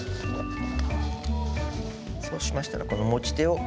そうしましたらこの持ち手を上げます。